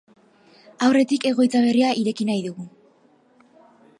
Aurretik, egoitza berria ireki nahi dugu.